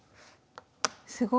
すごい。